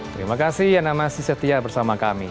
terima kasih anda masih setia bersama kami